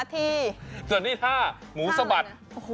แต่นี่ท่าหมูสะบัด